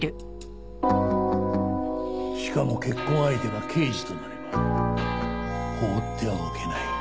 しかも結婚相手が刑事となれば放ってはおけない。